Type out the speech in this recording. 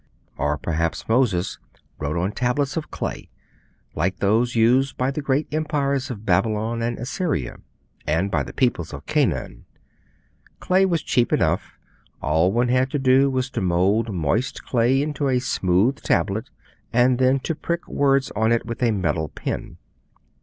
Or perhaps Moses wrote on tablets of clay like those used by the great empires of Babylon and Assyria, and by the people of Canaan. Clay was cheap enough; all one had to do was to mould moist clay into a smooth tablet, and then to prick words on it with a metal pen.